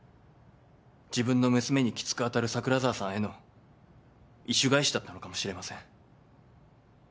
自分の娘にきつく当たる桜沢さんへの意趣返しだったのかもしれません。